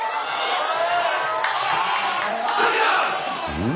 うん？